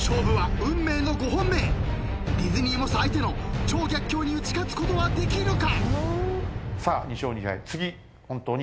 ディズニー猛者相手の超逆境に打ち勝つことはできるか？